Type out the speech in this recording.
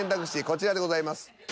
こちらでございます。